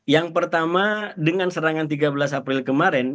yang pertama dengan serangan tiga belas april kemarin